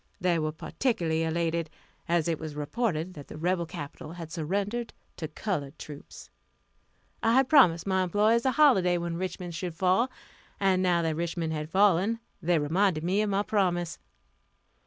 They were particularly elated, as it was reported that the rebel capital had surrendered to colored troops. I had promised my employees a holiday when Richmond should fall; and now that Richmond had fallen, they reminded me of my promise.